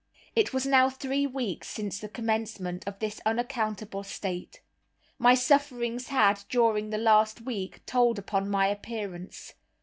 It was now three weeks since the commencement of this unaccountable state. My sufferings had, during the last week, told upon my appearance.